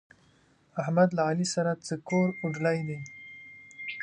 احمد له علي سره څه کور اوډلی دی؟!